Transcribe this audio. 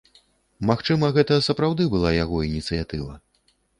Магчыма, гэта сапраўды была яго ініцыятыва.